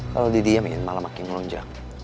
kalau didiemin malah makin lonjak